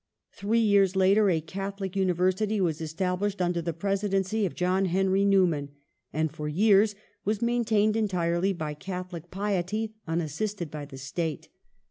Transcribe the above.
Three yeai s later a Catholic University was established under the presidency of John Henry Newman, and for years was maintained entirely by Catholic piety, unassisted by the State.